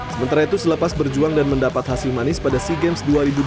sementara itu selepas berjuang dan mendapat hasil manis pada sea games dua ribu dua puluh